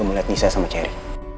ibu mau lihat nisa sama cherry